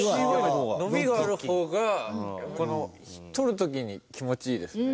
伸びがある方がこの取る時に気持ちいいですね。